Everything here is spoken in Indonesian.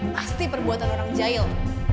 pasti perbuatan orang jahil